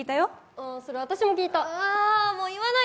ああ、それ私も聞いた。